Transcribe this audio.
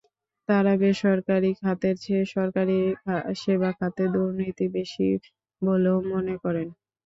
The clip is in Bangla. তাঁরা বেসরকারি খাতের চেয়ে সরকারি সেবা খাতে দুর্নীতি বেশি বলেও মনে করেন।